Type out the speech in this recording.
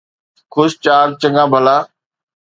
خوش چاڪ چڱان ڀلا